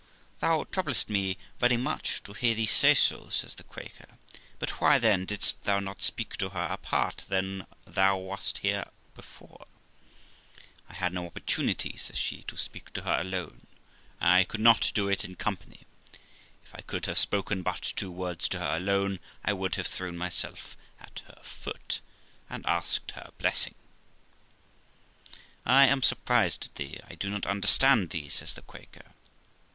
'Thou troubles! me very much to hear thee say so', says the Quaker; 'but why, then, didst thou not speak to her apart when thou wast here before ?' 'I had no opportunity ', says she, ' to speak to her alone, and I could not do it in company; if I could have spoken but two words to her alone, I would have thrown myself at her foot, and asked her blessing.' 'I am surprised at thee; I do not understand thee', says the Quaker.